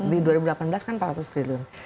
di dua ribu delapan belas kan empat ratus triliun